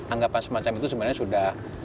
anggapan semacam itu sebenarnya sudah